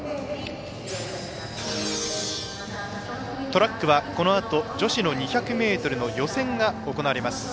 トラックはこのあと女子の２００ｍの予選が行われます。